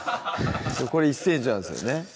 これ１ｃｍなんですよね